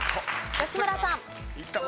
吉村さん。